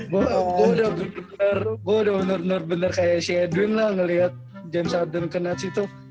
gua udah bener bener kayak si edwin lah ngeliat james harden kena situ